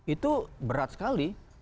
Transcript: itu berat sekali